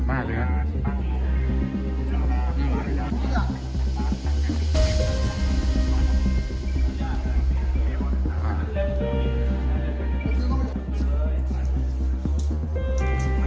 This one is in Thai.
สวัสดีทุกคน